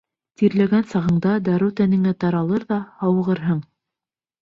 Тирләгән сағыңда дарыу тәнеңә таралыр ҙа һауығырһың.